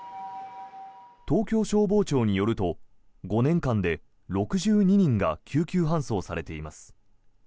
東京消防庁によると５年間で６２人が救急搬送されています。